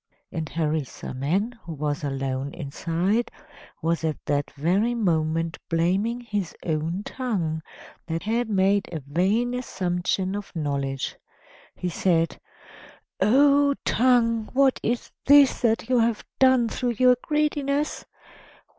And Harisarman, who was alone inside, was at that very moment blaming his own tongue, that had made a vain assumption of knowledge. He said: "Oh, tongue, what is this that you have done through your greediness?